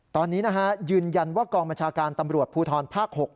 ตอนนี้นะฮะยืนยันว่ากองบัญชาการตำรวจภูทรภาค๖